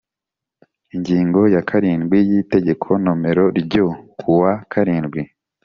Ingingo ya karindwi y Itegeko nomera ryo ku wa karindwi